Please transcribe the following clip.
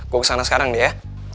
gue kesana sekarang nih ya